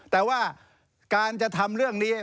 แต่ว่าการจะทำเรื่องนี้